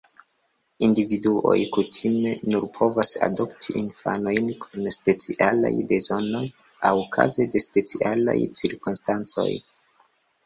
Individuoj kutime nur povas adopti infanojn kun specialaj bezonoj aŭ kaze de specialaj cirkonstancoj.